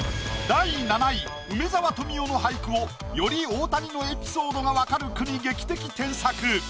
第７位梅沢富美男の俳句をより大谷のエピソードが分かる句に劇的添削！